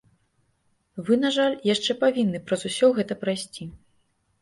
Вы, на жаль, яшчэ павінны праз усё гэта прайсці.